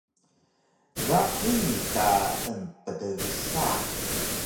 Ga hini ka emptgsa